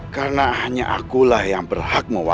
karena hanya akulah yang berhak mewawancarai